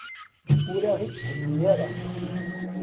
Ur aɣ-itthenni ara.